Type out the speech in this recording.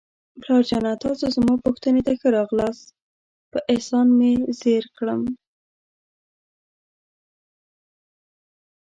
پلار جانه، تاسو زما پوښتنې ته راغلاست، په احسان مې زیر کړم.